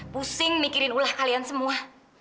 pusing mikirin ulah kalian semua